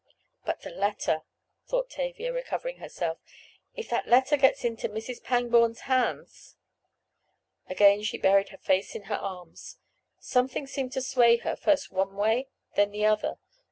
"But the letter," thought Tavia, recovering herself. "If that letter gets into Mrs. Pangborn's hands!" Again she buried her face in her arms. Something seemed to sway her, first one way, then the other.